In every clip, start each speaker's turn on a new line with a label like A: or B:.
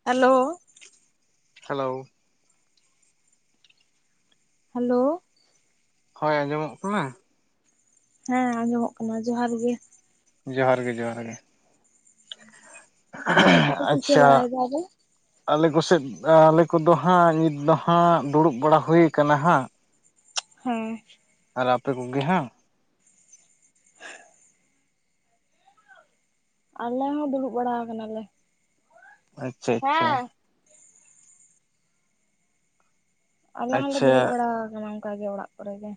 A: [inaudible]
B: Hello.
A: Hello.
B: ᱦᱳᱭ ᱟᱸᱡᱚᱢᱚᱜ ᱠᱟᱱᱟ?
A: ᱦᱮᱸ ᱟᱸᱡᱚᱢᱚᱜ ᱠᱟᱱᱟ, ᱡᱚᱦᱟᱨ ᱜᱮ ᱾
B: ᱡᱚᱦᱟᱨ ᱜᱮ ᱡᱚᱦᱟᱨ ᱜᱮ,
A: ᱪᱮᱫ ᱠᱚᱯᱮ ᱪᱤᱠᱟᱹ
B: ᱟᱪᱪᱷᱟ᱾
A: ᱵᱟᱲᱟᱭᱮᱫᱟ ᱟᱫᱚ
B: ᱟᱞᱮ ᱠᱚᱥᱮᱫᱽ ᱟᱞᱮ ᱠᱚᱫᱚ ᱦᱟᱸᱜ ᱱᱤᱛ ᱫᱚ ᱦᱟᱸᱜ ᱫᱩᱲᱩᱵ ᱵᱟᱲᱟ ᱦᱩᱭ ᱠᱟᱱᱟ ᱦᱟᱸᱜ᱾
A: ᱦᱮᱸ ᱾
B: ᱟᱨ ᱟᱯᱮ ᱠᱚᱜᱮ ᱦᱟᱸᱜ
A: ᱟᱞᱮ ᱦᱚᱸ ᱫᱩᱲᱩᱵ ᱵᱟᱲᱟ ᱠᱟᱱᱟ ᱞᱮ ᱾
B: ᱟᱪᱪᱷᱟ ᱟᱪᱪᱷᱟ᱾
A: ᱟᱞᱮ ᱦᱚᱸᱞᱮ
B: ᱟᱪᱪᱷᱟ
A: ᱫᱩᱲᱩᱵ ᱵᱟᱲᱟ ᱟᱠᱟᱱᱟ ᱚᱱᱠᱟ ᱜᱮ ᱚᱲᱟᱜ ᱠᱚᱨᱮ ᱜᱮ᱾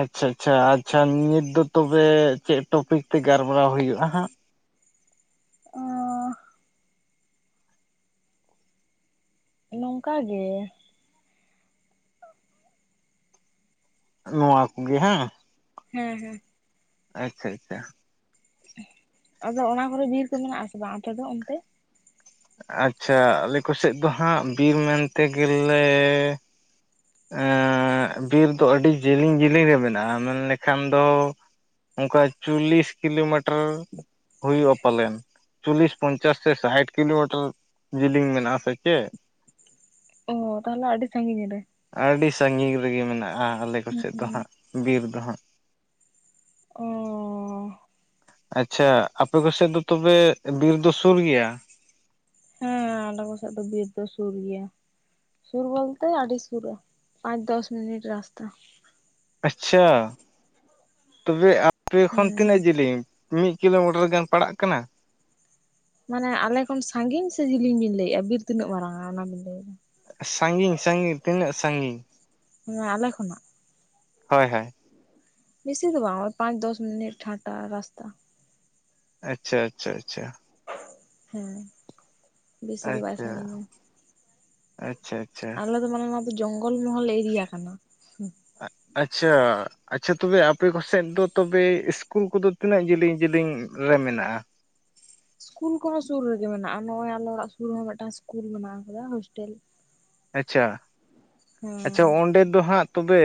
B: ᱟᱪᱪᱷᱟ ᱟᱪᱪᱷᱟ ᱟᱪᱪᱷᱟ ᱱᱤᱛ ᱫᱚ ᱛᱚᱵᱮ ᱪᱮᱫ ᱴᱚᱯᱤᱠ ᱛᱮ ᱜᱟᱞᱢᱟᱨᱟᱣ ᱦᱩᱭᱩᱜ-ᱟ ᱦᱟᱸᱜ᱾
A: ᱚᱻ ᱱᱚᱝᱠᱟ ᱜᱮ ᱾
B: ᱱᱚᱣᱟ ᱠᱚᱜᱤ ᱦᱟᱸᱜ
A: ᱦᱮᱸ ᱦᱮᱸ ᱾
B: ᱟᱪᱪᱷᱟ ᱟᱪᱪᱷᱟ᱾
A: ᱟᱫᱚ ᱚᱱᱟ ᱠᱚᱨᱮ ᱵᱤᱨ ᱠᱚ ᱢᱮᱱᱟᱜ ᱟᱥᱮ ᱵᱟᱝ ᱟᱯᱮ ᱫᱚ ᱚᱱᱛᱮ?
B: ᱟᱪᱪᱷᱟ ᱟᱞᱮ ᱠᱚᱥᱮᱫᱽ ᱫᱚ ᱦᱟᱸᱜ ᱵᱤᱨ ᱢᱮᱱᱛᱮ ᱜᱮᱞᱮ ᱮᱸ ᱵᱤᱨ ᱫᱚ ᱟᱹᱰᱤ ᱡᱮᱞᱤᱧ ᱡᱮᱞᱤᱧ ᱨᱮ ᱢᱮᱱᱟᱜ-ᱟ, ᱢᱮᱱᱞᱮᱠᱷᱟᱱ ᱫᱚ ᱚᱱᱠᱟ ᱪᱚᱞᱞᱤᱥ ᱠᱤᱞᱳᱢᱤᱴᱟᱨ ᱦᱩᱭᱩᱜ-ᱟ ᱯᱟᱞᱮᱱ᱾ ᱪᱚᱞᱞᱤᱥ ᱯᱚᱧᱪᱟᱥ ᱥᱮ ᱥᱟᱭᱴ ᱠᱤᱞᱳᱢᱤᱴᱟᱨ ᱡᱮᱞᱤᱝ ᱢᱮᱱᱟᱜ-ᱟ ᱟᱥᱮ ᱪᱮᱫ
A: ᱚᱻ ᱛᱟᱦᱚᱞᱮ ᱟᱹᱰᱤ ᱥᱟᱺᱜᱤᱧ ᱨᱮ᱾
B: ᱟᱹᱰᱤ ᱥᱟᱸᱜᱤᱧ ᱨᱮᱜᱮ ᱢᱮᱱᱟᱜ-ᱟ ᱟᱞᱮ
A: ᱦᱩᱸ
B: ᱠᱚᱥᱮᱫ ᱫᱚ
A: ᱦᱩᱸ
B: ᱦᱟᱸᱜ ᱵᱤᱨ ᱫᱚ ᱦᱟᱸᱜ᱾
A: ᱚᱻ
B: ᱟᱪᱪᱷᱟ ᱟᱯᱮ ᱠᱚᱥᱮᱫ ᱫᱚ ᱛᱚᱵᱮ ᱵᱤᱨ ᱫᱚ ᱥᱩᱨ ᱜᱮᱭᱟ?
A: ᱦᱮᱸ ᱟᱞᱮ ᱠᱚᱥᱮᱫ ᱫᱚ ᱵᱤᱨ ᱫᱚ ᱥᱩᱨ ᱜᱤᱭᱟ᱾ ᱥᱩᱨ ᱵᱚᱞᱛᱮ ᱟᱹᱰᱤ ᱥᱩᱨᱟ ᱯᱟᱸᱪ ᱫᱚᱥ ᱢᱤᱱᱤᱴ ᱨᱟᱥᱛᱟ᱾
B: ᱟᱪᱪᱷᱟ ᱛᱚᱵᱮ ᱟᱯᱮ ᱠᱷᱚᱱ ᱛᱤᱱᱟᱹᱜ
A: ᱦᱮᱸ
B: ᱡᱤᱞᱤᱸᱜ? ᱢᱤᱜ ᱠᱤᱞᱳᱢᱤᱴᱟᱨ ᱜᱟᱱ ᱯᱟᱲᱟᱜ ᱠᱟᱱᱟ᱾
A: ᱢᱟᱱᱮ ᱟᱞᱮ ᱠᱷᱚᱱ ᱥᱟᱺᱜᱤᱧ ᱥᱮ ᱡᱤᱞᱤᱧ ᱵᱤᱱ ᱞᱟᱹᱭᱮᱜᱼᱟ ᱵᱤᱨ ᱛᱤᱱᱟᱹᱜ ᱢᱟᱨᱟᱝ-ᱟ ᱚᱱᱟ ᱵᱤᱱ ᱞᱟᱹᱭ ᱮᱫᱟ᱾
B: ᱥᱟᱺᱜᱤᱧ ᱥᱟᱺᱜᱤᱧ ᱛᱤᱱᱟᱹᱜ ᱥᱟᱺᱜᱤᱧ᱾
A: ᱦᱮᱸ ᱟᱞᱮ ᱠᱷᱚᱱᱟᱜ᱾
B: ᱦᱳᱭ ᱦᱳᱭ᱾
A: ᱵᱤᱥᱤ ᱫᱚ ᱵᱟᱝ ᱳᱭ ᱯᱟᱸᱪ ᱫᱚᱥ ᱢᱤᱱᱤᱴ ᱦᱟᱴᱟ ᱨᱟᱥᱛᱟ᱾
B: ᱟᱪᱪᱷᱟ ᱟᱪᱪᱷᱟ ᱟᱪᱪᱷᱟ᱾
A: [inaudible] ᱫᱚ ᱵᱟᱭ
B: ᱟᱪᱪᱷᱟ,
A: ᱥᱟᱺᱜᱤᱧᱟ
B: ᱟᱪᱪᱷᱟ᱾ ᱟᱪᱪᱷᱟ
A: ᱟᱞᱮ ᱫᱚ ᱢᱟᱱᱮ ᱱᱚᱣᱟ ᱫᱚ ᱡᱚᱝᱜᱚᱞ ᱢᱚᱦᱚᱞ ᱮᱨᱤᱭᱟ ᱠᱟᱱᱟ᱾
B: ᱟᱪᱪᱷᱟ, ᱟᱪᱪᱷᱟ ᱛᱚᱵᱮ ᱟᱯᱮ ᱠᱚ ᱥᱮᱫ ᱫᱚ ᱛᱚᱵᱮ ᱤᱥᱠᱩᱞ ᱠᱚᱫᱚ ᱛᱤᱱᱟᱹᱜ ᱡᱤᱞᱤᱧ ᱡᱤᱞᱤᱧ ᱨᱮ ᱢᱮᱱᱟᱜᱼᱟ?
A: ᱤᱥᱠᱩᱞ ᱠᱚᱦᱚᱸ ᱥᱩᱨ ᱨᱮᱜᱮ ᱢᱮᱱᱟᱜᱼᱟ, ᱱᱚᱜᱚᱭ ᱟᱞᱮ ᱚᱲᱟᱜ ᱥᱩᱨ ᱨᱮᱦᱚᱸ ᱢᱤᱫᱴᱟᱝ ᱤᱥᱠᱩᱞ ᱢᱮᱱᱟᱜ ᱟᱠᱟᱫᱟ ᱦᱳᱥᱴᱮᱞ᱾
B: ᱟᱪᱪᱷᱟ,
A: ᱦᱮᱸ
B: ᱟᱪᱪᱷᱟ ᱚᱸᱰᱮ ᱫᱚ ᱦᱟᱸᱜ ᱛᱚᱵᱮ᱾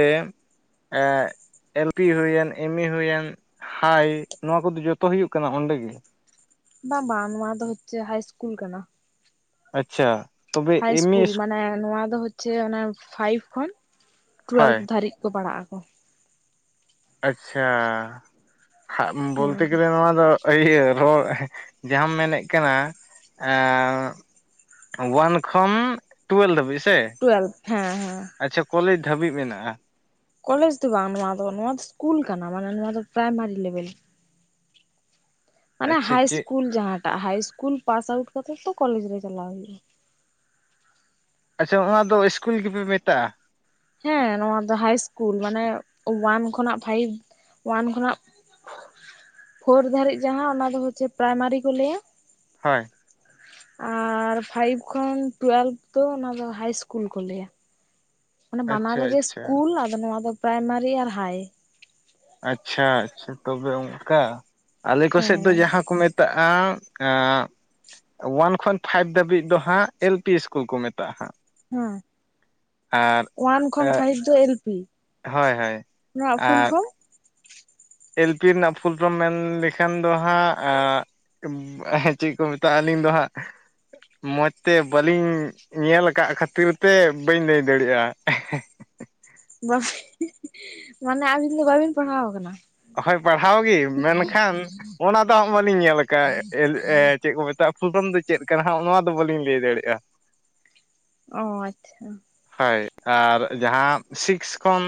B: ᱮᱞ ᱯᱤ ᱦᱩᱭᱮᱱ, ᱮᱢ ᱮ ᱦᱩᱭᱮᱱ, ᱦᱟᱭ, ᱱᱚᱣᱟ ᱠᱚᱫᱚ ᱡᱚᱛᱚ ᱦᱩᱭᱩᱜ ᱠᱟᱱᱟ ᱚᱸᱰᱮ ᱜᱮ᱾
A: ᱵᱟᱝ ᱵᱟᱝ ᱱᱚᱣᱟ ᱫᱚ ᱦᱚᱪᱪᱷᱮ ᱦᱟᱭ ᱤᱥᱠᱩᱞ ᱠᱟᱱᱟ᱾
B: ᱟᱪᱪᱷᱟ ᱛᱚᱵᱮ
A: ᱦᱟᱭ
B: ᱮᱢ ᱤ
A: ᱤᱥᱠᱩᱞ ᱢᱟᱱᱮ ᱱᱚᱣᱟ ᱫᱚ ᱦᱚᱪᱪᱮ ᱚᱱᱮ ᱯᱷᱟᱭᱤᱵ ᱠᱷᱚᱱ
B: ᱦᱳᱭ
A: ᱴᱩᱭᱮᱞᱵᱽ ᱫᱷᱟᱨᱤᱡ ᱠᱚ ᱯᱟᱲᱦᱟᱜᱼᱟ᱾
B: ᱟᱪᱪᱷᱟ, ᱦᱟᱜ
A: ᱦᱮᱸ
B: ᱵᱳᱞᱛᱮ ᱜᱮᱞᱮ ᱱᱚᱣᱟ ᱫᱚ ᱤᱭᱟᱹ [inaudible] ᱡᱟᱸᱦᱟᱸᱢ ᱢᱮᱱᱮᱜ ᱠᱟᱱᱟ [inaudible] ᱳᱣᱟᱱ ᱠᱷᱚᱱ ᱴᱩᱭᱮᱞᱵᱷ ᱫᱷᱟᱹᱵᱤᱡ᱾ ᱥᱮ
A: ᱴᱩᱭᱮᱞᱵᱷ, ᱦᱮᱸ ᱦᱮᱸ᱾
B: ᱟᱪᱪᱷᱟ ᱠᱚᱞᱮᱡᱽ ᱫᱷᱟᱹᱵᱤᱡ ᱢᱮᱱᱟᱜᱼᱟ᱾
A: ᱠᱚᱞᱮᱡᱽ ᱫᱚ ᱵᱟᱝ, ᱱᱚᱣᱟ ᱫᱚ ᱱᱚᱣᱟ ᱫᱚ ᱤᱥᱠᱩᱞ ᱠᱟᱱᱟ ᱢᱟᱱᱮ ᱱᱚᱣᱟ ᱫᱚ ᱯᱨᱟᱭᱢᱟᱨᱤ ᱞᱮᱵᱮᱞ᱾ ᱢᱟᱱᱮ
B: ᱟᱪᱪᱷᱟ
A: ᱦᱟᱭ
B: ᱪᱮᱫ
A: ᱤᱥᱠᱩᱞ ᱡᱟᱸᱦᱟᱸᱴᱟᱜ ᱦᱟᱭ ᱤᱥᱠᱩᱞ ᱯᱟᱥ ᱟᱣᱩᱴ ᱠᱟᱛᱮᱜ ᱛᱚ ᱠᱚᱞᱮᱡᱽ ᱨᱮ ᱪᱟᱞᱟᱣ ᱦᱩᱭᱩᱜᱼᱟ᱾
B: ᱟᱪᱪᱷᱟ ᱚᱱᱟᱫᱚ ᱤᱥᱠᱩᱞ ᱜᱤᱯᱮ ᱢᱮᱛᱟᱜᱼᱟ᱾
A: ᱦᱮᱸ ᱱᱚᱣᱟ ᱫᱚ ᱦᱟᱭ ᱤᱥᱠᱩᱞ, ᱢᱟᱱᱮ ᱳᱣᱟᱱ ᱠᱷᱚᱱᱟᱜ ᱯᱷᱟᱭᱤᱵ ᱳᱣᱟᱱ ᱠᱷᱚᱱᱟᱜ ᱯᱷᱳᱨ ᱫᱷᱟᱤᱡ ᱡᱟᱸᱦᱟᱸ ᱚᱱᱟ ᱫᱚ ᱦᱚᱪᱪᱮ ᱯᱨᱟᱭᱢᱟᱨᱤ ᱠᱚ ᱞᱟᱹᱭᱟ᱾
B: ᱦᱳᱭ᱾
A: ᱟᱨ ᱯᱷᱟᱭᱤᱵᱽ ᱠᱷᱚᱱ ᱴᱩᱭᱮᱞᱵᱷ ᱫᱚ ᱚᱱᱟ ᱫᱚ ᱦᱟᱭ ᱤᱥᱠᱩᱞ ᱠᱚ ᱞᱟᱹᱭᱟ᱾ ᱢᱟᱱᱮ ᱵᱟᱱᱟᱨ
B: ᱟᱪᱪᱷᱟ
A: ᱨᱮᱜᱮ
B: ᱟᱪᱪᱷᱟ
A: ᱤᱥᱠᱩᱞ ᱟᱫᱚ ᱱᱚᱣᱟ ᱫᱚ ᱯᱨᱟᱭᱢᱟᱨᱤ ᱟᱨ ᱦᱟᱭ᱾
B: ᱟᱪᱪᱷᱟ ᱟᱪᱪᱷᱟ ᱛᱚᱵᱮ ᱚᱝᱠᱟ, ᱟᱞᱮ ᱠᱚᱥᱮᱫ ᱫᱚ
A: ᱦᱮᱸ
B: ᱡᱟᱸᱦᱟᱸ ᱠᱚ ᱢᱮᱛᱟᱜ ᱟ [inaudible] ᱳᱣᱟᱱ ᱠᱷᱚᱱ ᱯᱷᱟᱭᱤᱵ ᱫᱷᱟᱹᱵᱤᱡ ᱫᱚ ᱦᱟᱸᱜ ᱮᱞ ᱯᱤ ᱤᱥᱠᱩᱞ ᱠᱚ ᱢᱮᱛᱟᱜᱼᱟ ᱦᱟᱸᱜ᱾
A: ᱦᱩᱸ
B: ᱟᱨ
A: ᱳᱣᱟᱱ ᱠᱷᱚᱱ ᱯᱷᱟᱭᱤᱵᱷ ᱫᱚ ᱮᱞ ᱯᱤ
B: ᱦᱳᱭ ᱦᱳᱭ
A: ᱱᱚᱣᱟ ᱯᱷᱩᱞ
B: ᱟᱨ
A: ᱯᱷᱚᱨᱚᱢ?
B: ᱮᱞ ᱯᱤ ᱨᱮᱱᱟᱜ ᱯᱷᱩᱞ ᱯᱷᱨᱚᱢ ᱢᱮᱱ ᱞᱮᱠᱷᱟᱱ ᱫᱚ ᱦᱟᱸᱜ ᱦᱮᱸ ᱪᱮᱜ ᱠᱩ ᱢᱮᱛᱟᱜᱼᱟ ᱟᱹᱞᱤᱧ ᱫᱚ ᱦᱟᱸᱜ ᱢᱚᱡᱽ ᱛᱮ ᱵᱟᱹᱞᱤᱧ ᱧᱮᱞ ᱠᱟᱜ ᱠᱷᱟᱹᱛᱤᱨ ᱛᱮ ᱵᱟᱹᱧ ᱞᱟᱹᱭ ᱫᱟᱲᱮᱭᱟᱜᱼᱟ᱾
A: [inaudible] ᱢᱟᱱᱮ ᱟᱹᱵᱤᱱ ᱫᱚ ᱵᱟᱵᱤᱱ ᱯᱟᱲᱦᱟᱣ ᱟᱠᱟᱱᱟ᱾
B: ᱦᱳᱭ ᱯᱟᱲᱦᱟᱣ ᱜᱤ ᱢᱮᱱᱠᱷᱟᱱ ᱚᱱᱟ ᱫᱚ ᱦᱟᱸᱜ ᱵᱟᱹᱞᱤᱧ ᱧᱮᱞ ᱠᱟᱜ ᱮᱞ ᱮ ᱪᱮᱜ ᱠᱩ [inaudible] ᱯᱷᱩᱞᱯᱷᱨᱚᱢ ᱫᱚ ᱪᱮᱫ ᱠᱟᱱᱟ ᱦᱟᱸᱜ [inaudible] ᱱᱚᱣᱟ ᱫᱚ ᱵᱟᱹᱞᱤᱧ ᱞᱟᱹᱭ ᱫᱟᱲᱮᱭᱟᱜᱼᱟ᱾
A: ᱚᱸ ᱟᱪᱪᱷᱟ᱾
B: ᱦᱳᱭ ᱟᱨ ᱡᱟᱸᱦᱟᱸ ᱥᱤᱠᱥ ᱠᱷᱚᱱ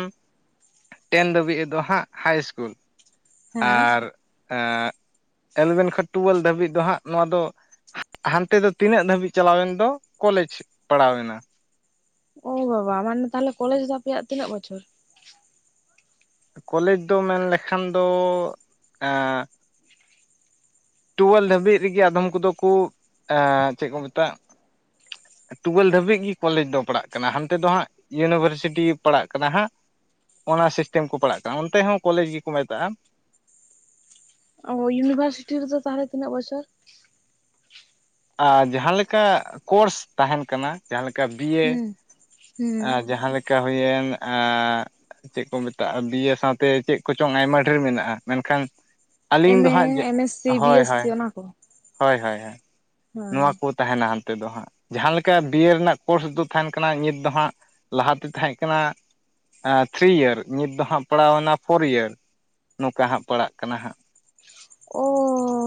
B: ᱴᱮᱱ ᱫᱷᱟᱹᱵᱤᱡ ᱫᱚ ᱦᱟᱸᱜ ᱦᱟᱭ ᱤᱥᱠᱩᱞ
A: ᱦᱮᱸ
B: ᱟᱨ ᱮᱸᱜ ᱮᱞᱵᱷᱮᱱ ᱠᱷᱚᱡ ᱴᱩᱭᱮᱞᱵᱷ ᱫᱷᱟᱹᱵᱤᱡ ᱫᱚ ᱦᱟᱸᱜ ᱱᱚᱣᱟ ᱫᱚ ᱦᱟᱱᱛᱮ ᱫᱚ ᱛᱤᱱᱟᱹᱜ ᱫᱷᱟᱹᱵᱤᱡ ᱪᱟᱞᱟᱣᱮᱱ ᱫᱚ ᱠᱚᱞᱮᱡᱽ ᱯᱟᱲᱟᱣᱮᱱᱟ᱾
A: ᱳ ᱵᱟᱵᱟ ᱢᱟᱱᱮ ᱛᱟᱦᱞᱮ ᱠᱚᱞᱮᱡᱽ ᱫᱚ ᱟᱯᱮᱭᱟᱜ ᱛᱤᱱᱟᱹᱜ ᱵᱚᱪᱷᱚᱨ?
B: ᱠᱚᱞᱮᱡᱽ ᱫᱚ ᱢᱮᱱ ᱞᱮᱠᱷᱟᱱ ᱫᱚ ᱟᱸ ᱴᱩᱭᱮᱞ ᱫᱷᱟᱹᱵᱤᱡ ᱨᱮᱜᱮ ᱟᱫᱷᱚᱢ ᱠᱩᱫᱩ ᱠᱩ ᱮᱸ ᱪᱮᱫ ᱠᱚ ᱢᱮᱛᱟᱜ ᱴᱩᱭᱮᱞ ᱫᱷᱟᱹᱵᱤᱡ ᱜᱤ ᱠᱚᱞᱮᱡᱽ ᱫᱚ ᱯᱟᱲᱦᱟᱜ ᱠᱟᱱᱟ ᱦᱟᱱᱛᱮ ᱫᱚ ᱦᱟᱸᱜ ᱤᱭᱩᱱᱤᱵᱷᱟᱨᱥᱤᱴᱤ ᱯᱟᱲᱟᱜ ᱠᱟᱱᱟ ᱦᱟᱸᱜ ᱚᱱᱟ ᱥᱤᱥᱴᱮᱢ ᱠᱚ ᱯᱟᱲᱟᱜ ᱠᱟᱱᱟ, ᱚᱱᱛᱮ ᱦᱚᱸ ᱠᱚᱞᱮᱡᱽ ᱜᱮᱠᱚ ᱢᱮᱛᱟᱜᱼᱟ᱾
A: ᱚ ᱤᱭᱩᱱᱤᱵᱷᱟᱨᱥᱤᱴᱤ ᱨᱮᱫᱚ ᱛᱟᱦᱚᱞᱮ ᱛᱤᱱᱟᱹᱜ ᱵᱚᱪᱷᱚᱨ?
B: ᱟ ᱡᱟᱦᱟᱸ ᱞᱮᱠᱟ ᱠᱳᱨᱥ ᱛᱟᱦᱮᱱ ᱠᱟᱱᱟ, ᱡᱟᱦᱟᱸ ᱞᱮᱠ ᱠᱟ ᱵᱤᱭᱮ,
A: ᱦᱩᱸ ᱦᱩᱸ
B: ᱟᱸ ᱡᱟᱦᱟᱸ ᱞᱮᱠᱟ ᱦᱩᱭᱮᱱ ᱟᱸ ᱪᱮᱫ ᱠᱚ ᱢᱮᱛᱟᱜ-ᱟ ᱵᱤᱭᱮ ᱥᱟᱶᱛᱮ ᱪᱮᱫ ᱠᱚᱪᱚᱝ ᱟᱭᱢᱟ ᱰᱷᱮᱨ ᱢᱮᱱᱟᱜ-ᱟ, ᱢᱮᱱᱠᱷᱟᱱ ᱟᱹᱞᱤᱧ
A: ᱮᱢ
B: ᱫᱚ
A: ᱮ
B: ᱦᱟᱸᱜ ᱡᱮ
A: ᱮᱢ ᱮᱥ ᱥᱤ ᱵᱤ
B: ᱦᱳᱭ ᱦᱳᱭ
A: [unintelligible]
B: ᱦᱳᱭ ᱦᱳᱭ ᱦᱳᱭ ᱱᱚᱣᱟ
A: ᱦᱮᱸ
B: ᱠᱩᱛ ᱛᱟᱦᱮᱱᱟ ᱦᱟᱱᱛᱮ ᱫᱚ ᱦᱟᱸᱜ, ᱡᱟᱦᱟᱸ ᱞᱮᱠᱟ ᱵᱤᱭᱮ ᱨᱮᱱᱟᱜ ᱠᱳᱨᱥ ᱫᱚ ᱛᱟᱦᱮᱱ ᱠᱟᱱᱟ ᱱᱤᱛ ᱫᱚ ᱦᱟᱸᱜ ᱞᱟᱦᱟᱛᱮ ᱛᱟᱦᱮᱸ ᱠᱟᱱᱟ ᱟᱸ ᱛᱷᱨᱤ ᱤᱭᱟᱨ ᱱᱤᱛ ᱫᱚ ᱦᱟᱸᱜ ᱯᱟᱲᱟᱣᱱᱟ ᱯᱷᱳᱨ ᱤᱭᱟᱨ ᱱᱚᱝᱠᱟ ᱦᱟᱸᱜ ᱯᱟᱲᱟᱜ ᱠᱟᱱᱟ ᱦᱟᱸᱜ
A: ᱳ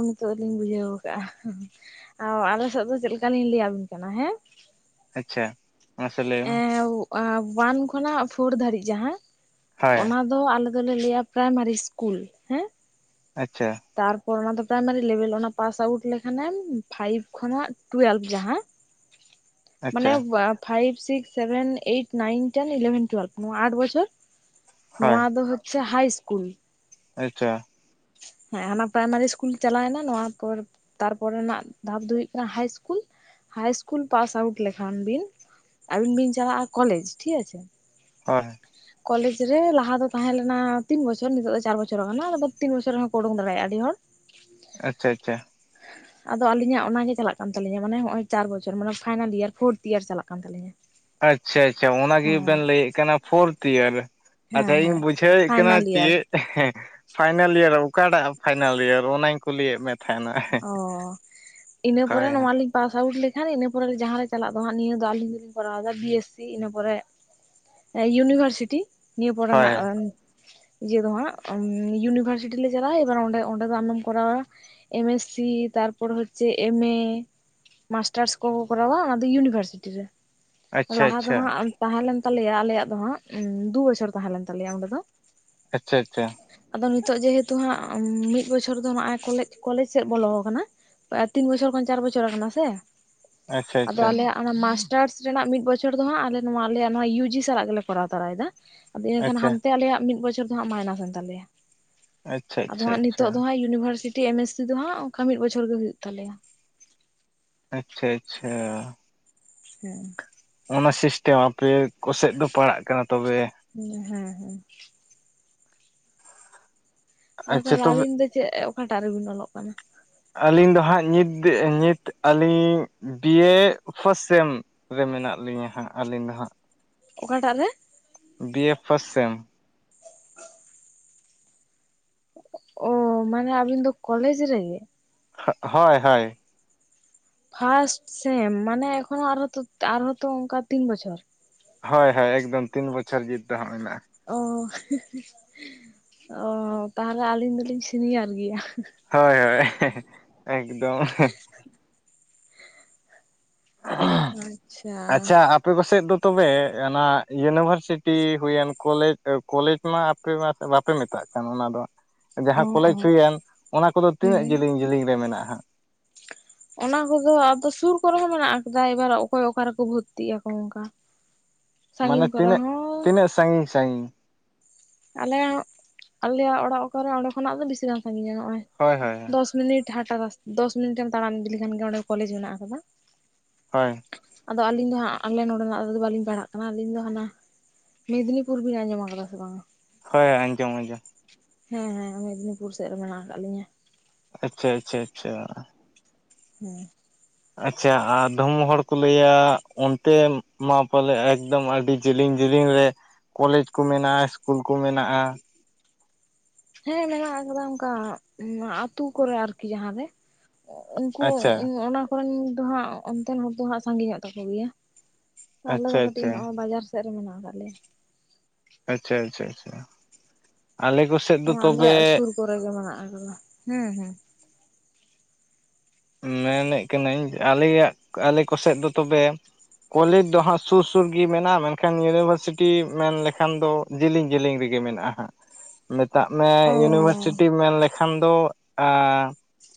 A: ᱱᱤᱛᱚᱜ ᱞᱤᱧ ᱵᱩᱡᱷᱟᱹᱣ ᱠᱟᱜ-ᱟ ᱚ ᱟᱞᱮ ᱥᱮᱫ ᱫᱚ ᱪᱮᱫ ᱞᱮᱠᱟ ᱞᱤᱧ ᱞᱟᱹᱭ ᱵᱤᱱ ᱛᱟᱦᱮᱸ ᱠᱟᱱᱟ ᱦᱮᱸ
B: ᱟᱪᱪᱷᱟ ᱢᱟᱥᱮ ᱞᱟᱹᱭ ᱢᱮ
A: ᱮᱸ ᱮᱸ ᱚᱣᱟᱱ ᱠᱷᱚᱱᱟᱜ ᱯᱷᱳᱨ ᱫᱷᱟᱹᱨᱤᱡ ᱡᱟᱦᱟᱸ
B: ᱦᱳᱭ
A: ᱚᱱᱟ ᱫᱚ ᱟᱞᱮ ᱫᱚᱞᱮ ᱞᱟᱹᱭᱟ ᱯᱨᱟᱭᱢᱟᱨᱤ ᱤᱥᱠᱩᱞ ᱦᱮᱸ
B: ᱟᱪᱪᱷᱟ
A: ᱛᱟᱨᱯᱚᱨ ᱚᱱᱟ ᱫᱚ ᱯᱨᱟᱭᱢᱟᱨᱤ ᱞᱮᱵᱮᱞ ᱚᱱᱟ ᱯᱟᱥ ᱟᱣᱩᱴ ᱞᱮᱠᱷᱟᱱᱮᱢ ᱯᱷᱟᱭᱤᱵ ᱠᱷᱚᱱᱟᱜ ᱴᱩᱭᱮᱞᱵᱷ ᱡᱟᱦᱟᱸ ᱢᱟᱱᱮ
B: ᱟᱪᱪᱷᱟ
A: ᱵᱚ five, six, seven, eight, nine, ten, eleven, twelve ᱱᱚᱣᱟ ᱟᱴ ᱵᱚᱪᱷᱚᱨ
B: ᱦᱳᱭ
A: ᱱᱚᱣᱟ ᱫᱚ ᱦᱚᱪᱪᱷᱮ ᱦᱟᱭ ᱤᱥᱠᱩᱞ
B: ᱟᱪᱪᱷᱟ
A: ᱦᱮᱸ ᱦᱟᱱᱟ ᱯᱨᱟᱭᱢᱟᱨᱤ ᱤᱥᱠᱩᱞ ᱪᱟᱞᱟᱣᱱᱟ ᱱᱚᱶᱟ ᱯᱚᱨ ᱛᱟᱨᱯᱚᱨᱮᱱᱟᱜ ᱫᱷᱟᱯ ᱫᱚ ᱦᱩᱭᱩᱜ ᱠᱟᱱᱟ high school, high school pass out ᱞᱮᱠᱷᱟᱱ ᱵᱤᱱ ᱟᱵᱤᱱ ᱵᱤᱱ ᱪᱟᱞᱟᱜ-ᱟ ᱠᱚᱞᱮᱡᱽ ᱴᱷᱤᱠ ᱟᱪᱷᱮ
B: ᱦᱳᱭ ᱦᱳᱭ
A: ᱠᱚᱞᱮᱡᱽ ᱨᱮ ᱞᱟᱦᱟ ᱫᱚ ᱛᱟᱦᱮᱸ ᱞᱮᱱᱟ ᱛᱤᱱ ᱵᱚᱪᱷᱚᱨ ᱱᱤᱛᱚᱜ ᱫᱚ ᱪᱟᱨ ᱵᱚᱪᱷᱚᱨ ᱠᱟᱱᱟ ᱟᱫᱚ ᱛᱤᱱ ᱵᱚᱪᱷᱚᱨ ᱨᱮᱦᱚᱸᱠᱚ ᱳᱰᱳᱝ ᱫᱟᱲᱮᱭᱟᱜ-ᱟ ᱟᱹᱰᱤ ᱦᱚᱲ
B: ᱟᱪᱪᱷᱟ ᱟᱪᱪᱷᱟ
A: ᱟᱫᱚ ᱟᱹᱞᱤᱧᱟᱜ ᱚᱱᱟ ᱜᱮ ᱪᱟᱞᱟᱜ ᱠᱟᱱᱟ ᱛᱟᱹᱞᱤᱧᱟ ᱢᱟᱱᱮ ᱦᱚᱸᱜ-ᱚᱭ ᱪᱟᱨ ᱵᱚᱪᱷᱚᱨ ᱢᱟᱱᱮ ᱯᱷᱟᱭᱱᱟᱞ ᱤᱭᱟᱨ ᱯᱷᱳᱨᱛᱷ ᱤᱭᱟᱨ ᱪᱟᱞᱟᱜ ᱠᱟᱱ ᱛᱟᱞᱤᱧᱟ᱾
B: ᱟᱪᱪᱷᱟ ᱟᱪᱪᱷᱟ ᱚᱱᱟ ᱜᱮᱵᱮᱱ ᱞᱟᱹᱭᱮᱫ ᱠᱟᱱᱟ ᱯᱷᱳᱨᱛᱷ ᱤᱭᱟᱨ
A: ᱦᱮᱸ
B: ᱟᱪᱪᱷᱟ ᱤᱧ
A: ᱦᱮᱸ
B: ᱵᱩᱡᱷᱟᱹᱣᱮᱫ ᱠᱟᱱᱟ
A: ᱯᱷᱟᱭᱱᱟᱞ ᱤᱭᱟᱨ
B: ᱪᱮᱫ ᱮ ᱦᱮᱸ ᱯᱷᱟᱭᱱᱞ ᱤᱭᱟᱨ ᱚᱠᱟᱴᱟᱜ ᱯᱷᱟᱭᱱᱟᱞ ᱤᱭᱟᱨ ᱚᱱᱟᱧ ᱠᱩᱞᱤᱭᱮᱫ ᱢᱮ ᱛᱟᱦᱮᱱᱟ
A: ᱚ ᱤᱱᱟᱹ ᱯᱚᱨᱮ
B: ᱦᱳᱭ
A: ᱱᱚᱣᱟᱞᱤᱧ ᱯᱟᱥ ᱟᱣᱩᱴ ᱞᱮᱠᱷᱟᱱ ᱤᱱᱟᱹ ᱯᱚᱨᱮ ᱡᱟᱦᱟᱸ ᱨᱮ ᱪᱟᱞᱟᱜ ᱫᱚ ᱦᱟᱸᱜ ᱱᱤᱭᱟᱹ ᱫᱚ ᱟᱹᱞᱤᱧ ᱫᱚᱞᱤᱧ ᱠᱚᱨᱟᱣᱫᱟ ᱵᱤ ᱮᱥ ᱥᱤ ᱤᱱᱟᱹ ᱯᱚᱨᱮ ᱮ ᱤᱭᱩᱱᱤᱵᱷᱟᱨᱥᱤᱴᱤ ᱱᱤᱭᱟᱹ
B: ᱦᱳᱭ
A: ᱯᱚᱨᱮᱱᱟᱜ ᱤᱭᱟᱹ ᱫᱚ ᱦᱟᱸᱜ ᱩᱸ ᱤᱭᱩᱱᱤᱵᱷᱟᱨᱥᱤᱴᱤ ᱞᱮ ᱪᱟᱞᱟᱜ-ᱟ ᱮᱵᱟᱨ ᱚᱸᱰᱮ ᱚᱸᱰᱮ ᱫᱚ ᱟᱢᱫᱚᱢ ᱠᱚᱨᱟᱣᱟ ᱮᱢ ᱮᱥ ᱥᱤ ᱛᱟᱨᱯᱚᱨ ᱦᱚᱪᱪᱮ ᱮᱢ ᱮ ᱢᱟᱥᱴᱟᱨᱥ ᱠᱚᱠᱚ ᱠᱚᱨᱟᱣᱟ ᱚᱱᱟ ᱤᱭᱩᱱᱤᱵᱷᱟᱨᱥᱤᱴᱤ ᱨᱮ
B: ᱟᱪᱪᱷᱟ
A: ᱞᱟᱦᱟ ᱫᱚ
B: ᱟᱪᱪᱷᱟ
A: ᱦᱟᱸᱜ ᱟᱸᱼᱼ ᱛᱟᱦᱮᱸ ᱞᱮᱱ ᱛᱟᱞᱮᱭᱟ ᱟᱞᱮᱭᱟᱜ ᱫᱚ ᱦᱟᱸᱜ ᱫᱩ ᱵᱚᱪᱷᱚᱨ ᱛᱟᱦᱮᱸ ᱞᱮᱱ ᱛᱟᱞᱮᱭᱟ ᱚᱸᱰᱮ ᱫᱚ᱾
B: ᱟᱪᱪᱷᱟ ᱟᱪᱪᱷᱟ᱾
A: ᱟᱫᱚ ᱱᱤᱛᱚᱜ ᱡᱮᱦᱮᱛᱩ ᱦᱟᱸᱜ ᱢᱤᱫ ᱵᱚᱪᱷᱚᱨ ᱫᱚ ᱱᱚᱜ-ᱚᱭ ᱠᱚᱞᱮᱡᱼᱼ ᱠᱚᱞᱮᱡᱽ ᱥᱮᱫ ᱵᱚᱞᱚ ᱣᱠᱟᱱᱟ ᱦᱚ ᱟ ᱛᱤᱱ ᱵᱚᱪᱷᱟᱨ ᱠᱷᱚᱱ ᱪᱟᱨ ᱵᱚᱪᱷᱚᱨ ᱟᱠᱟᱱᱟ ᱥᱮ ᱟᱫᱚ
B: ᱟᱪᱪᱷᱟ ᱟᱪᱪᱷᱟ
A: ᱟᱞᱮᱭᱟᱜ ᱚᱱᱟ ᱢᱟᱥᱴᱟᱨᱥ ᱨᱮᱱᱟᱜ ᱢᱤᱫ ᱵᱚᱪᱷᱚᱨ ᱫᱚ ᱦᱟᱸᱜ ᱟᱞᱮ ᱱᱚᱣᱟ ᱟᱞᱮᱭᱟᱜ ᱱᱚᱣᱟ ᱤᱭᱩᱡᱤ ᱥᱟᱞᱟᱜ ᱜᱮᱞᱮ ᱠᱚᱨᱟᱣ ᱛᱚᱨᱟᱭᱫᱟ᱾ ᱟᱫᱚ ᱤᱱᱟᱹᱠᱷᱟᱱ
B: ᱟᱪᱪᱷᱟ
A: ᱦᱟᱱᱛᱮ ᱟᱞᱮᱭᱟᱜ ᱢᱤᱫ ᱵᱚᱪᱷᱚᱨ ᱫᱚ ᱦᱟᱸᱜ ᱢᱟᱭᱱᱟᱥ ᱮᱱ ᱛᱟᱞᱮᱭᱟ,
B: ᱟᱪᱪᱷᱟ
A: ᱟᱫᱚ
B: ᱟᱪᱪᱷᱟ
A: ᱦᱟᱸᱜ
B: ᱟᱪᱪᱷᱟ
A: ᱱᱤᱛᱚᱜ ᱫᱚ ᱦᱟᱸᱜ ᱤᱭᱩ ᱤᱭᱩᱱᱤᱵᱷᱟᱨᱥᱤᱴᱤ ᱮᱢ ᱮᱥ ᱥᱤ ᱫᱚ ᱦᱟᱸᱜ ᱚᱝᱠᱟ ᱢᱤᱫ ᱵᱚᱪᱷᱚᱨ ᱜᱮ ᱦᱩᱭᱩᱜ ᱛᱟᱞᱮᱭᱟ᱾
B: ᱟᱪᱪᱷᱟ ᱟᱪᱪᱷᱟ᱾
A: ᱦᱮᱸ᱾
B: ᱚᱱᱟ ᱥᱤᱥᱴᱮᱢ ᱟᱯᱮ ᱠᱚᱥᱮᱫ ᱫᱚ ᱯᱟᱲᱟᱜ ᱠᱟᱱᱟ ᱛᱚᱵᱮ ᱾
A: ᱦᱮᱸ ᱦᱮᱸ᱾ ᱟᱫᱚ
B: ᱟᱪᱪᱷᱟ
A: ᱛᱟᱦᱚᱞᱮ
B: ᱛᱚᱵᱮ
A: ᱟᱞᱤᱧ ᱫᱚ ᱪᱮᱫ ᱚᱠᱟᱴᱟᱜ ᱨᱮᱵᱤᱱ ᱚᱞᱚᱜ ᱠᱟᱱᱟᱼᱼ
B: ᱟᱹᱞᱤᱧ ᱫᱚ ᱦᱟᱸᱜ ᱱᱤᱛ ᱱᱤᱛ ᱟᱹᱞᱤᱧ ᱵᱤᱭᱮ ᱯᱷᱟᱥᱴ ᱥᱮᱢ ᱨᱮ ᱢᱮᱱᱟᱜ ᱞᱤᱧᱟᱹ ᱦᱟᱸᱜ ᱟᱹᱞᱤᱧ ᱫᱚ ᱦᱟᱸᱜ ᱾
A: ᱚᱠᱟᱴᱟᱜ ᱨᱮ?
B: ᱵᱤ ᱮ ᱯᱷᱳᱨ ᱥᱮᱢ
A: ᱦ [unintelligible] ᱚ ᱢᱟᱱᱮ ᱟᱵᱤᱱ ᱫᱚ ᱠᱚᱞᱮᱡᱽ ᱨᱮᱜᱮ?
B: ᱦᱳᱭ ᱦᱳᱭ᱾
A: ᱯᱷᱟᱥᱴ ᱥᱮᱢ ᱢᱟᱱᱮ ᱮᱠᱷᱚᱱᱚ ᱟᱨᱦᱚᱸ ᱟᱨᱦᱚᱸᱛᱚ ᱚᱱᱠᱟ ᱛᱤᱱ ᱵᱚᱪᱷᱚᱨᱼᱼ
B: ᱦᱳᱭᱻᱦᱳᱭ ᱮᱠᱫᱚᱢ ᱛᱤᱱ ᱵᱚᱪᱷᱚᱨ ᱡᱤᱛ ᱫᱚ ᱦᱟᱸᱜ ᱢᱮᱱᱟᱜᱼᱟ ᱾
A: ᱚ ᱚ ᱛᱟᱦᱞᱮ ᱟᱹᱞᱤᱧ ᱫᱚᱞᱤᱧ ᱥᱤᱱᱤᱭᱟᱨ ᱜᱮᱭᱟ ᱾
B: ᱦᱳᱭ ᱦᱳᱭ ᱮᱠᱫᱚᱢ ᱾
A: ᱟᱪᱪᱷᱟ᱾
B: ᱟᱪᱪᱷᱟ ᱟᱯᱮ ᱯᱟᱥᱮᱡ ᱫᱚ ᱛᱚᱵᱮ ᱚᱱᱟ ᱭᱩᱱᱤᱵᱷᱟᱨᱥᱤᱴᱤ ᱦᱩᱭᱮᱱ ᱠᱚᱞᱮᱡᱽ ᱠᱚᱞᱮᱡᱽ ᱢᱟ ᱟᱯᱮ ᱢᱟᱯᱮ ᱵᱟᱯᱮ ᱢᱮᱛᱟᱜ ᱠᱟᱱ ᱚᱱᱟ ᱫᱚ᱾
A: ᱚ
B: ᱡᱟᱦᱟᱸ
A: ᱚ
B: ᱠᱚᱞᱮᱡᱽ ᱦᱩᱭᱮᱱ ᱚᱱᱟ ᱠᱚᱫᱚ ᱛᱤᱱᱟᱹᱜ
A: ᱦᱩᱸ
B: ᱡᱮᱞᱤᱧ ᱡᱤᱞᱤᱧ ᱨᱮ ᱢᱮᱱᱟᱜᱼᱟ ᱾
A: ᱚᱱᱟ ᱠᱚᱫᱚ ᱟᱫᱚ ᱥᱩᱨ ᱠᱚᱨᱮ ᱦᱚᱸ ᱢᱮᱱᱟᱜ ᱟᱠᱟᱫᱟ ᱮᱵᱟᱨ ᱚᱠᱚᱭ ᱚᱠᱟ ᱨᱮᱠᱚ ᱵᱷᱩᱨᱛᱤᱜ ᱟᱠᱚ ᱚᱱᱠᱟ᱾
B: ᱢᱟᱱᱮ
A: ᱥᱟᱺᱜᱤᱧ ᱠᱚᱨᱮ
B: ᱛᱤᱱᱟᱹᱜ
A: ᱦᱚᱸ
B: ᱛᱤᱱᱟᱹᱜ ᱥᱟᱺᱜᱤᱧ ᱥᱟᱺᱜᱤᱧ
A: ᱟᱞᱮᱞᱮᱜ ᱟᱞᱮᱭᱟᱜ ᱚᱲᱟᱜ ᱚᱠᱟᱨ ᱨᱮ ᱚᱸᱰᱮ ᱠᱷᱚᱱᱟᱜ ᱫᱚ ᱵᱤᱥᱤ ᱜᱟᱝ ᱥᱟᱺᱜᱤᱧᱟ ᱱᱚᱜᱼᱚᱭ
B: ᱦᱳᱭ ᱦᱳᱭ
A: ᱫᱚᱥ ᱢᱤᱱᱤᱴ᱾ ᱡᱟᱦᱟᱸᱴᱟᱜ ᱫᱚᱥ ᱢᱤᱱᱤᱴ ᱮᱢ ᱛᱟᱲᱟᱢ ᱤᱫᱤ ᱞᱮᱠᱷᱟᱱ ᱜᱮ ᱚᱸᱰᱮ ᱠᱚᱞᱮᱡᱽ ᱢᱮᱱᱟᱜ ᱟᱠᱟᱫᱟ ᱾
B: ᱦᱳᱭ᱾
A: ᱟᱫᱚ ᱟᱹᱞᱤᱧ ᱫᱚ ᱦᱟᱸᱜ ᱟᱞᱮ ᱱᱚᱰᱮᱱᱟᱜ ᱫᱚ ᱦᱟᱜ ᱵᱟᱹᱞᱤᱧ ᱯᱟᱲᱦᱟᱜ ᱠᱟᱱᱟ ᱟᱹᱞᱤᱧ ᱫᱚ ᱦᱟᱱᱟ ᱢᱮᱫᱽᱱᱤᱯᱩᱨ ᱵᱤᱱ ᱟᱧᱡᱚᱢ ᱟᱠᱟᱫᱟ ᱥᱮ ᱵᱟᱝᱟ?
B: ᱦᱳᱭ ᱟᱧᱡᱚᱢ ᱟᱧᱡᱚᱢ᱾
A: ᱦᱮᱸ ᱦᱮᱸ ᱢᱮᱫᱽᱱᱤᱯᱩᱨ ᱥᱮᱫ ᱨᱮ ᱢᱮᱱᱟᱜ ᱠᱟᱜ ᱞᱤᱧᱟᱹ ᱾
B: ᱟᱪᱪᱷᱟ ᱟᱪᱪᱷᱟ ᱟᱪᱪᱷᱟ᱾
A: ᱦᱩᱸ ᱾
B: ᱟᱪᱪᱷᱟ ᱟᱨ ᱫᱚᱢᱚ ᱦᱚᱲ ᱠᱚ ᱞᱟᱹᱭᱟ ᱚᱱᱛᱮ ᱢᱟ ᱯᱟᱞᱮ ᱮᱠᱫᱚᱢ ᱟᱹᱰᱤ ᱡᱤᱞᱤᱧ ᱡᱤᱞᱤᱧ ᱨᱮ ᱠᱚᱞᱮᱡᱽ ᱠᱚ ᱢᱮᱱᱟᱜᱼᱟ ᱤᱥᱠᱩᱞ ᱠᱚ ᱢᱮᱱᱟᱜᱼᱟ ᱾
A: ᱦᱮᱸ ᱢᱮᱱᱟᱜ ᱠᱟᱫᱟ ᱚᱱᱠᱟ ᱟᱛᱩ ᱠᱚᱨᱮ ᱟᱨ ᱡᱟᱦᱟᱸ ᱨᱮᱼᱼ ᱩᱱᱠᱩ
B: ᱟᱪᱪᱷᱟ
A: ᱚᱱᱟ ᱠᱚᱨᱮᱱ ᱫᱚ ᱦᱟᱸᱜ ᱚᱱᱛᱮᱱ ᱦᱚᱲ ᱫᱚ ᱦᱟᱸᱜ ᱥᱟᱺᱜᱤᱧᱚᱜ ᱛᱟᱠᱚ ᱜᱮᱭᱟ ᱾ ᱛᱟᱦᱞᱮ ᱫᱚ
B: ᱟᱪᱪᱷᱟ
A: ᱠᱟᱹᱴᱤᱡ
B: ᱟᱪᱪᱷᱟ
A: ᱱᱚᱜ-ᱚᱭ ᱵᱟᱡᱟᱨ ᱥᱮᱫ ᱨᱮ ᱢᱮᱱᱟᱜ ᱟᱠᱟᱫ ᱞᱮᱭᱟ ᱾
B: ᱟᱪᱪᱷᱟ ᱟᱪᱪᱷᱟ ᱟᱪᱪᱷᱟ ᱟᱞᱮ ᱠᱚ
A: ᱱᱚᱣᱟᱸ ᱟᱞᱮᱭᱟᱜ ᱥᱩᱨ ᱠᱚᱨᱮ ᱜᱮ ᱢᱮᱱᱟᱜ ᱟᱠᱟᱫᱟ ᱾ ᱦᱩᱸ ᱦᱩᱸ ᱾
B: ᱢᱮᱱᱮᱫ ᱠᱟᱹᱱᱟᱹᱧ ᱟᱞᱮᱭᱟᱜ ᱟᱞᱮ ᱠᱚᱥᱮᱫ ᱫᱚ ᱛᱚᱵᱮ ᱠᱚᱞᱮᱡᱽ ᱫᱚ ᱦᱟᱸᱜ ᱥᱩᱨ ᱥᱩᱨ ᱜᱤ ᱢᱮᱱᱟᱜ-ᱟ, ᱢᱮᱱᱠᱷᱟᱱ ᱤᱭᱩᱱᱤᱵᱷᱟᱨᱥᱤᱴᱤ ᱢᱮᱱ ᱞᱮᱠᱷᱟᱱ ᱫᱚ ᱡᱤᱞᱤᱧ ᱡᱤᱞᱤᱧ ᱨᱮᱜᱮ ᱢᱮᱱᱟᱜ-ᱟ ᱦᱟᱸᱜ ᱾ [inaudible] ᱢᱮᱛᱟᱜ ᱢᱮ
A: ᱚ
B: ᱤᱭᱩᱱᱤᱵᱷᱟᱨᱥᱤᱴᱤ ᱢᱮᱱ ᱞᱮ ᱠᱷᱟᱱ ᱫᱚ ᱟ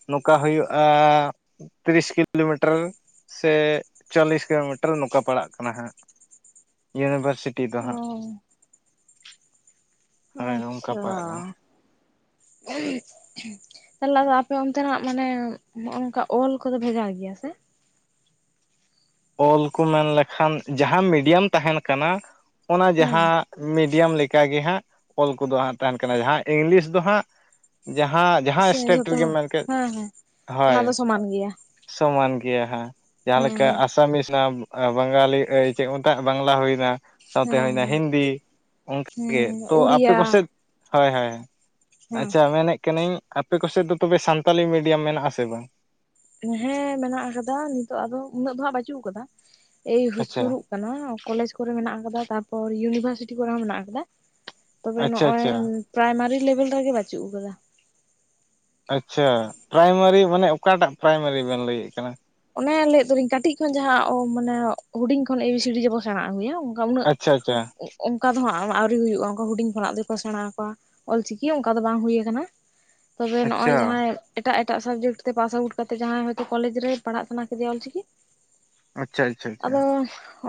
B: ᱱᱚᱝᱠᱟ ᱦᱩᱭᱩᱜ-ᱟ ᱛᱤᱨᱤᱥ ᱠᱤᱞᱳᱢᱤᱴᱟᱹᱨ ᱥᱮ ᱪᱚᱞᱞᱤᱥ ᱠᱤᱞᱳᱢᱤᱴᱟᱨ ᱱᱚᱝᱠᱟ ᱯᱟᱲᱟᱜ ᱠᱟᱱᱟ ᱦᱟᱸᱜ ᱾ ᱤᱭᱩᱱᱤᱵᱷᱟᱨᱥᱤ
A: ᱚᱻ ᱾
B: ᱦᱳᱭ ᱱᱚᱝᱠᱟ ᱯᱟᱲᱟᱜ ᱠᱟᱱᱟ ᱾ [inaudible]
A: [inaudible] ᱛᱟᱦᱞᱮ ᱟᱫᱚ ᱟᱯᱮ ᱚᱱᱛᱮᱱᱟᱜ ᱢᱟᱱᱮ ᱱᱚᱜ-ᱚ ᱚᱝᱠᱟ ᱚᱞ ᱠᱚᱫᱚ ᱵᱷᱮᱜᱟᱨ ᱜᱮᱭᱟ ᱥᱮ?
B: ᱚᱞ ᱠᱚ ᱢᱮᱱ ᱞᱮᱠᱷᱟᱱ ᱡᱟᱦᱟᱸ ᱢᱤᱰᱤᱭᱟᱢ ᱛᱟᱦᱮᱱ ᱠᱟᱱᱟ ᱚᱱᱟ
A: ᱦᱮᱸ
B: ᱡᱟᱦᱟᱸ ᱢᱤᱰᱤᱭᱟᱢ ᱞᱮᱠᱟ ᱜᱮ ᱦᱟᱸᱜ ᱚᱞ ᱠᱚᱫᱚ ᱦᱟᱸᱜ ᱛᱟᱦᱮᱱ ᱠᱟᱱᱟ ᱾ ᱡᱟᱦᱟᱸ ᱤᱝᱞᱤᱥ ᱫᱚ ᱦᱟᱸᱜ ᱡᱟᱦᱟᱸ ᱡᱟᱦᱟᱸ
A: ᱥᱮ
B: ᱮᱥᱴᱮᱴ
A: ᱡᱚᱛᱚ
B: ᱨᱮᱜᱮᱢ ᱢᱮᱱ ᱠᱮᱫ
A: ᱦᱮᱸ ᱦᱮᱸ
B: [inaudible] ᱦᱳᱭ
A: ᱚᱱᱟ ᱫᱚ ᱥᱚᱢᱟᱱ ᱜᱮᱭᱟ
B: ᱾ [inaudible] ᱥᱚᱢᱟᱱ ᱜᱮᱭᱟ ᱦᱟᱸ ᱾ ᱡᱟᱦᱟᱸ
A: ᱦᱮᱸ
B: ᱞᱮᱠᱟ
A: ᱦᱮᱸ
B: ᱟᱥ [unintelligible] ᱵᱟᱝᱜᱟᱞᱤ ᱟᱹᱭ ᱪᱮᱫ ᱠᱚ ᱢᱮᱛᱟᱜ ᱵᱟᱝᱞᱟ ᱦᱳᱭ ᱮᱱᱟ᱾ ᱥᱟᱶᱛᱮ
A: ᱦᱮᱸ
B: ᱦᱳᱭ ᱮᱱᱟ
A: ᱦᱮᱸ
B: ᱦᱤᱱᱫᱤ, [inaudible]
A: ᱦᱮᱸ
B: ᱚᱱᱠᱟᱜᱮ ᱾ ᱛᱳ ᱟᱯᱮ
A: ᱩᱲᱤᱭᱟ
B: ᱠᱚᱥᱮᱡ? ᱦᱳᱭ ᱦᱳᱭ ᱾ [inaudible]
A: ᱦᱮᱸ
B: ᱟᱪᱪᱷᱟ ᱢᱮᱱᱮᱫ ᱠᱟᱹᱱᱟᱹᱧ ᱟᱯᱮ ᱠᱚᱥᱮᱫ ᱫᱚ ᱛᱚᱵᱮ ᱥᱟᱱᱛᱟᱞᱤ ᱢᱤᱰᱤᱭᱟᱢ ᱢᱮᱱᱟᱜ-ᱟ ᱥᱮ ᱵᱟᱝ?
A: ᱦᱮᱸ ᱢᱮᱱᱟᱜ ᱟᱠᱟᱫᱟ, ᱱᱤᱛᱚᱜ ᱟᱫᱚ ᱩᱱᱟᱹᱜ ᱫᱚ ᱦᱟᱸᱜ ᱵᱟᱪᱩᱜ ᱟᱠᱟᱫᱟ᱾ [inaudible] ᱮᱭ
B: ᱟᱪᱪᱷᱟ
A: [unintelligible] ᱠᱟᱱᱟ ᱾ ᱠᱚᱞᱮᱡᱽ ᱠᱚᱨᱮ ᱢᱮᱱᱟᱜ ᱟᱠᱟᱫᱟ, ᱛᱟᱨᱯᱚᱨ ᱤᱭᱩᱱᱤᱵᱷᱟᱨᱥᱤᱴᱤ ᱠᱚᱨᱮ ᱦᱚᱸ ᱢᱮᱱᱟᱜ ᱟᱠᱟᱫᱟ᱾ ᱛᱚᱵᱮ
B: ᱟᱪᱪᱷᱟ
A: ᱱᱚᱸᱜ-ᱚᱭ
B: ᱟᱪᱪᱷᱟ
A: ᱯᱨᱟᱭᱢᱟᱨᱤ ᱞᱮᱵᱮᱞ ᱨᱮ ᱜᱮ ᱵᱟᱪᱩᱜ ᱟᱠᱟᱫᱟ᱾
B: ᱟᱪᱪᱷᱟ, ᱯᱨᱟᱭᱢᱟᱨᱤ ᱢᱟᱱᱮ ᱚᱠᱟᱴᱟᱜ ᱯᱨᱟᱭᱢᱟᱨᱤ ᱵᱮᱱ ᱞᱟᱹᱭᱮᱫ ᱠᱟᱱᱟ?
A: ᱚᱱᱮ ᱞᱟᱹᱭᱮᱫ ᱫᱚᱞᱤᱝ ᱠᱟᱹᱴᱤᱡ ᱠᱷᱚᱱ ᱡᱟᱦᱟᱸ ᱚ ᱢᱟᱱᱮ ᱦᱩᱰᱤᱝ ᱠᱷᱚᱱ ᱮ ᱵᱤ ᱥᱤ ᱰᱤ ᱡᱮᱵᱚᱱ ᱥᱮᱸᱬᱟ ᱟᱹᱜᱩᱭᱟ ᱾ ᱚᱱᱠᱟ ᱩᱱᱟᱹᱜ
B: ᱟᱪᱪᱷᱟ ᱟᱪᱪᱷᱟ
A: [inaudible] ᱚᱱᱠᱟ ᱫᱚ ᱦᱟᱸᱜ ᱟᱹᱣᱨᱤ ᱦᱳᱭᱳᱜ-ᱟ, ᱚᱱᱠᱟ ᱦᱩᱰᱤᱝ ᱠᱷᱚᱱᱟᱜ ᱫᱚᱠᱚ ᱥᱮᱸᱬᱟ ᱟᱠᱚᱣᱟ ᱾ ᱚᱞᱪᱤᱠᱤ ᱦᱚᱸ ᱚᱱᱠᱟ ᱫᱚ ᱵᱟᱝ ᱦᱩᱭ ᱟᱠᱟᱱᱟ᱾ ᱛᱚᱵᱮ ᱱᱚᱜ-ᱚᱭ
B: ᱟᱪᱪᱷᱟ
A: ᱡᱟᱦᱟᱸᱭ ᱮᱴᱟᱜ ᱮᱴᱟᱜ ᱥᱟᱵᱡᱮᱠᱴ ᱛᱮ ᱯᱟᱥ ᱟᱣᱩᱴ ᱠᱟᱛᱮᱜ ᱡᱟᱦᱟᱸᱭ ᱦᱚᱭᱛᱚ ᱠᱚᱞᱮᱡᱽ ᱨᱮ ᱯᱟᱲᱦᱟᱜ ᱥᱟᱱᱟ ᱠᱮᱫᱮᱭᱟ ᱚᱞᱪᱤᱠᱤ
B: ᱟᱪᱪᱷᱟ
A: [inaudible] ᱟᱫᱚ
B: ᱟᱪᱪᱷᱟ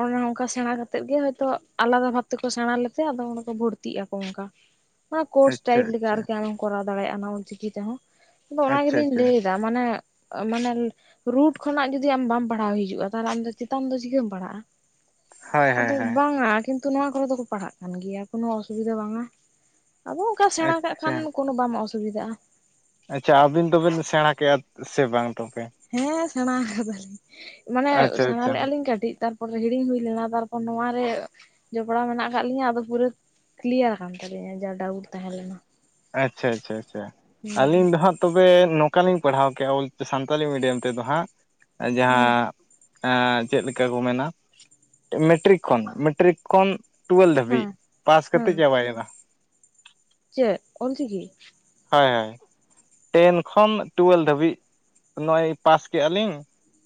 A: ᱚᱱᱮ ᱚᱱᱠᱟ ᱥᱮᱸᱬᱟ ᱠᱟᱛᱮᱫ ᱜᱮ ᱦᱳᱭᱛᱚ ᱟᱞᱟᱫᱟ ᱵᱷᱟᱵ ᱛᱮ ᱠᱚ ᱥᱮᱸᱬᱟ ᱞᱮᱫ ᱛᱮ ᱟᱫᱚ ᱚᱸᱰᱮ ᱠᱚ ᱵᱷᱳᱨᱛᱤᱜ ᱟᱠᱚ ᱚᱱᱠᱟ᱾
B: [inaudible]
A: ᱚᱱᱟ ᱠᱳᱨᱥ ᱴᱟᱭᱤᱯ ᱞᱮᱠᱟ
B: ᱟᱪᱪᱷᱟ ᱟᱪᱪᱷᱟ
A: ᱟᱨᱠᱤ ᱟᱢᱮᱢ ᱠᱚᱨᱟᱣ ᱫᱟᱲᱮᱭᱟᱜ-ᱟ ᱚᱱᱟ ᱚᱞᱪᱤᱠᱤ ᱛᱮ ᱦᱚᱸ᱾ ᱟᱫᱚ ᱚᱱᱟ
B: ᱟᱪᱪᱷᱟ
A: ᱜᱮᱞᱤᱝ
B: ᱟᱪᱪᱷᱟ
A: ᱞᱟᱹᱭ ᱡᱟ ᱢᱟᱱᱮ [inaudible] ᱢᱟᱱᱮᱢ ᱨᱩᱴ ᱠᱷᱚᱱᱟᱜ ᱡᱩᱫᱤ ᱟᱢ ᱵᱟᱢ ᱯᱟᱲᱦᱟᱣ ᱦᱤᱡᱩᱜ-ᱟ ᱛᱟᱦᱚᱞᱮ ᱟᱢ ᱪᱮᱛᱟᱱ ᱫᱚ ᱪᱤᱠᱟᱹᱢ ᱯᱟᱲᱦᱟᱜ-ᱟ᱾
B: ᱦᱳᱭ
A: [inaudible]
B: ᱦᱳᱭ
A: ᱟᱫᱚ
B: ᱦᱳᱭ
A: ᱵᱟᱝ-ᱟ ᱠᱤᱱᱛᱩ ᱱᱚᱣᱟ ᱠᱚᱨᱮ ᱫᱚᱠᱚ ᱯᱟᱲᱦᱟᱜ ᱠᱟᱱ ᱜᱮᱭᱟ ᱠᱳᱱᱳ ᱚᱥᱩᱵᱤᱫᱷᱟ ᱵᱟᱝ-ᱟ᱾ [inaudible] ᱟᱫᱚ ᱚᱱᱠᱟ ᱥᱮᱸᱬᱟ ᱠᱟᱜ
B: ᱟᱪᱪᱷᱟ
A: ᱠᱷᱟᱱ ᱠᱳᱱᱳ ᱵᱟᱢ ᱚᱥᱩᱵᱤᱫᱷᱟᱜ-ᱟ ᱾
B: ᱟᱪᱪᱷᱟ, ᱟᱹᱵᱤᱱ ᱫᱚᱵᱤᱱ ᱥᱮᱸᱬᱟ ᱠᱮᱜ-ᱟ ᱥᱮ ᱵᱟᱝ ᱛᱚᱵᱮ?
A: ᱦᱮᱸ ᱥᱮᱸᱬᱟ ᱟᱠᱟᱫᱟᱞᱤᱝ᱾ [inaudible] ᱢᱟᱱᱮ
B: ᱟᱪᱪᱷᱟ
A: ᱥᱮᱸᱬᱟ
B: ᱟᱪᱪᱷᱟ
A: ᱞᱮᱜ-ᱟ ᱞᱤᱧ ᱠᱟᱹᱴᱤᱡ ᱛᱟᱨ ᱛᱟᱨᱯᱚᱨᱮ ᱦᱤᱲᱤᱝ ᱦᱩᱭ ᱞᱮᱱᱟ᱾ ᱛᱟᱨᱯᱚᱨ ᱱᱚᱶᱟ ᱨᱮ ᱡᱚᱯᱲᱟᱣ ᱢᱮᱱᱟᱜ ᱟᱠᱟᱫ ᱞᱤᱧᱟ ᱟᱫᱚ ᱯᱩᱨᱟᱹ ᱠᱞᱤᱭᱟᱨ ᱟᱠᱟᱱ ᱛᱟᱞᱤᱧᱟ ᱡᱟ ᱰᱟᱣᱩᱴ ᱛᱟᱦᱮᱸ ᱞᱮᱱᱟ ᱾
B: ᱟᱪᱪᱷᱟ ᱟᱪᱪᱷᱟ ᱟᱪᱪᱷᱟ, ᱟᱹᱞᱤᱧ ᱫᱚ ᱦᱟᱸᱜ ᱛᱚᱵᱮ ᱱᱚᱠᱟᱞᱤᱧ ᱯᱟᱲᱦᱟᱣ ᱠᱮᱜ-ᱟ ᱚᱞ ᱥᱟᱱᱛᱟᱞᱤ ᱢᱤᱰᱤᱭᱟᱢ ᱛᱮᱫᱚ ᱦᱟᱸᱜ
A: ᱦᱩᱸ
B: ᱡᱟᱦᱟᱸ ᱮᱸ ᱪᱮᱫ ᱞᱮᱠᱟ ᱠᱚ ᱢᱮᱱᱟ [inaudible] ᱢᱮᱴᱨᱤᱠ ᱠᱷᱚᱱ ᱢᱮᱴᱨᱤᱠ ᱠᱷᱚᱱ ᱴᱩᱭᱮᱞ ᱫᱷᱟᱹᱵᱤᱡᱽ
A: ᱦᱮᱸ
B: ᱯᱟᱥ
A: ᱦᱮᱸ
B: ᱠᱟᱛᱮᱫ ᱪᱟᱵᱟᱭ ᱮᱱᱟ᱾
A: ᱪᱮᱫ ᱚᱞᱪᱤᱠᱤ?
B: ᱦᱚᱭ ᱦᱚᱭ, ᱴᱮᱱ ᱠᱷᱚᱱ ᱴᱩᱭᱮᱞ ᱫᱷᱟᱹᱵᱤᱡᱽ ᱱᱚᱜ-ᱚᱭ ᱯᱟᱥ ᱠᱮᱜ-ᱟ ᱞᱤᱝ᱾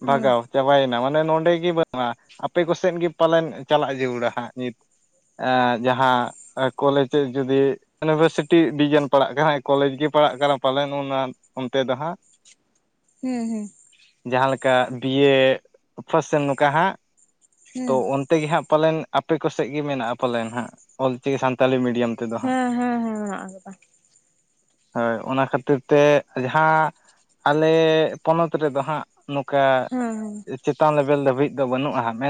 A: ᱦᱮᱸ
B: ᱵᱷᱟᱜᱟᱣ ᱪᱟᱵᱟᱭ ᱮᱱᱟ ᱢᱟᱱᱮ ᱱᱚᱸᱰᱮ ᱜᱮ ᱵᱟᱹᱱᱩᱜᱼᱟ᱾ ᱟᱯᱮ ᱠᱚᱥᱮᱫ ᱜᱮ ᱯᱟᱞᱮᱱ ᱪᱟᱞᱟᱜ ᱡᱟᱹᱨᱩᱲᱟ ᱦᱟᱸᱜ ᱱᱤᱛ ᱮᱸ ᱡᱟᱦᱟᱸ ᱠᱚᱞᱮᱡᱽ ᱡᱩᱫᱤ ᱤᱭᱩᱱᱤᱵᱷᱟᱨᱥᱤᱴᱤ ᱰᱤᱡᱮᱱ ᱯᱟᱲᱟᱜ ᱠᱟᱱᱟ᱾ ᱠᱚᱞᱮᱡᱽ ᱜᱮ ᱯᱟᱲᱟᱜ ᱠᱟᱱᱟ ᱯᱟᱞᱮᱱ ᱚᱱᱟ ᱚᱱᱛᱮ ᱫᱚ ᱦᱟᱸᱜ᱾
A: ᱦᱩᱸ ᱦᱩᱸ᱾
B: ᱡᱟᱦᱟᱸ ᱞᱮᱠᱟ ᱵᱤᱭᱮ ᱯᱷᱟᱥᱮᱱ ᱱᱚᱝᱠᱟ ᱦᱟᱸᱜ ᱛᱚ
A: ᱦᱩᱸ
B: ᱚᱱ ᱛᱮ ᱜᱮ ᱦᱟᱸᱜ ᱯᱟᱞᱮᱱ ᱟᱯᱮ ᱠᱚ ᱥᱮᱫ ᱜᱮ ᱢᱮᱱᱟᱜᱼᱟ ᱯᱟᱞᱮᱱ ᱦᱟᱸᱜ ᱚᱞ ᱪᱤᱠᱤ ᱥᱟᱱᱛᱟᱞᱤ ᱢᱤᱰᱤᱭᱟᱢ ᱛᱮᱫᱚ ᱦᱟᱸᱜ
A: ᱦᱮᱸ, ᱦᱮᱸ, ᱦᱮᱸ ᱢᱮᱱᱟᱜ ᱟᱠᱟᱫᱟ᱾
B: ᱦᱮᱸ, ᱚᱱᱟ ᱠᱷᱟᱹᱛᱤᱨ ᱛᱮ ᱡᱟᱦᱟᱸ ᱟᱞᱮ ᱯᱚᱱᱚᱛ ᱨᱮ ᱫᱚ ᱦᱟᱸᱜ ᱱᱚᱠᱟ
A: ᱦᱮᱸ ᱦᱮᱸ
B: ᱪᱮᱛᱟᱱ ᱞᱮᱵᱮᱞ ᱫᱷᱟᱹᱵᱤᱡᱽ ᱫᱚ ᱵᱟᱹᱱᱩᱜᱼᱟ ᱦᱟᱜ᱾ ᱢᱮᱱ